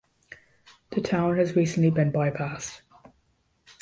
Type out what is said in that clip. The town has recently been bypassed.